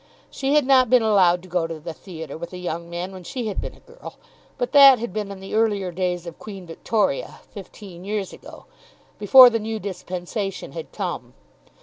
She had not been allowed to go to the theatre with a young man when she had been a girl, but that had been in the earlier days of Queen Victoria, fifteen years ago, before the new dispensation had come.